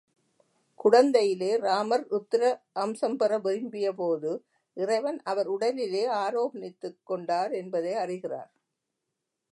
குடந்தையிலே, ராமர் ருத்திர அம்சம் பெற விரும்பியபோது இறைவன் அவர் உ.டலிலே ஆரோகணித்துக் கொண்டார் என்பதை அறிகிறார்.